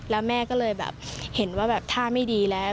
แล้วแม่ก็เลยแบบเห็นว่าแบบท่าไม่ดีแล้ว